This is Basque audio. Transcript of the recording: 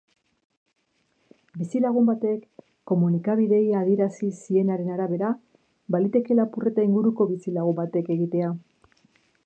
Bizilagun batek komunikabideei adierazi zienaren arabera, baliteke lapurreta inguruko bizilagun batek egitea.